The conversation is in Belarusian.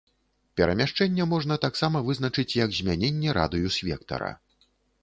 Перамяшчэнне можна таксама вызначыць як змяненне радыус-вектара.